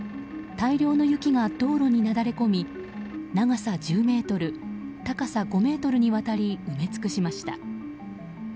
大量の雪が道路になだれ込み長さ１０ｍ高さ５ｍにわたり埋め尽くしました。